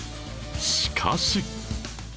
しかし